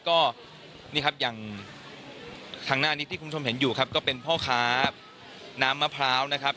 ก็นี่ครับอย่างทางหน้านี้ที่คุณผู้ชมเห็นอยู่ครับก็เป็นพ่อค้าน้ำมะพร้าวนะครับ